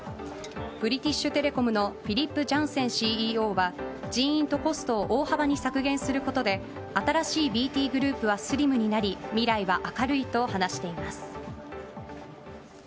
ブリティッシュ・テレコムのフィリップ・ジャンセンＣＥＯは人員とコストを大幅に削減することで新しいＢＴグループはスリムになり未来は明るいと話しています。